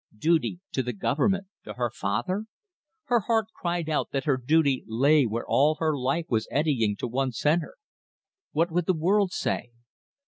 Duty to the government, to her father? Her heart cried out that her duty lay where all her life was eddying to one centre. What would the world say?